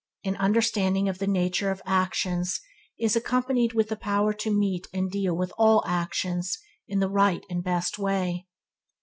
An understanding of the nature of actions is accompanied with the power to meet and deal with all actions in the right and best way.